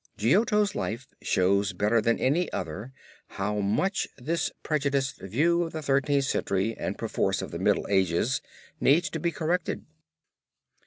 Giotto's life shows better than any other how much this prejudiced view of the Thirteenth Century and perforce of the Middle Age needs to be corrected.